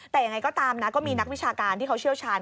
แต่ยังไงก็ตามนะก็มีนักวิชาการที่เขาเชี่ยวชาญ